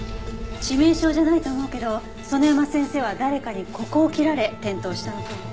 致命傷じゃないと思うけど園山先生は誰かにここを切られ転倒したのかも。